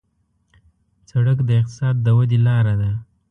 سړک د اقتصاد د ودې لاره ده.